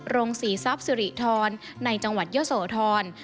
โรงศรีทรัพย์สิริธรในจังหวัดเยอะโสธร